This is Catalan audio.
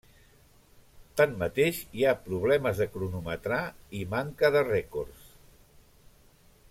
Tanmateix, hi ha problemes de cronometrar i manca de rècords.